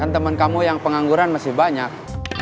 kan temen kamu yang pengangguran masih banyak